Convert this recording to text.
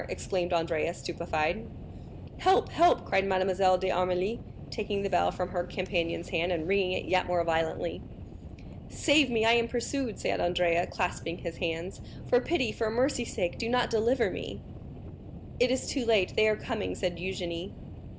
exclaimed Andrea, stupefied. "Help, help!" cried Mademoiselle d'Armilly, taking the bell from her companion's hand, and ringing it yet more violently. "Save me, I am pursued!" said Andrea, clasping his hands. "For pity, for mercy's sake do not deliver me up!" "It is too late, they are coming," said Eugénie.